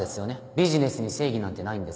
ビジネスに正義なんてないんです